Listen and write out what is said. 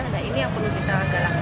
nah ini yang perlu kita galangi